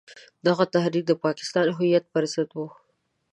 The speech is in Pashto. دغه تحریک د پاکستان هویت پر ضد وو.